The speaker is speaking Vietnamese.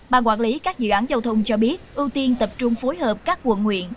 ban quản lý các dự án giao thông cho biết ưu tiên tập trung phối hợp các quận huyện